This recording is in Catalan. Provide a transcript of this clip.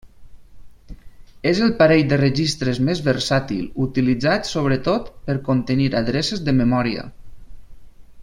És el parell de registres més versàtil, utilitzat sobretot per contenir adreces de memòria.